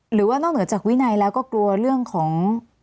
หรือว่านอกเหนือจากวินัยแล้วก็กลัวเรื่องของ